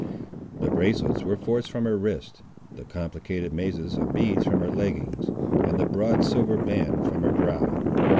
The bracelets were forced from her wrists, the complicated mazes of beads from her leggings, and the broad silver band from her brow.